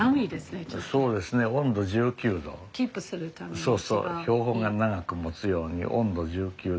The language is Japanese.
そうそう標本が長くもつように温度１９度。